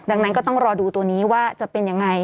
ดังนั้นก็ต้องรอดูตัวนี้ว่าจะเป็นยังไง